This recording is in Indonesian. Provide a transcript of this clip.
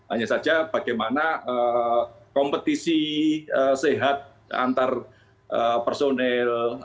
hanya saja bagaimana kompetisi sehat antar personil